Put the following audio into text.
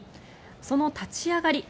その立ち上がり。